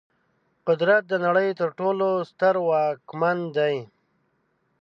قدرت د نړۍ تر ټولو ستر واکمن دی.